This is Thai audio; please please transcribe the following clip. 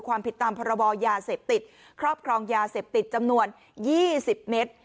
ความผิดตามพรบยาเสพติดครอบครองยาเสพติดจำนวน๒๐เมตร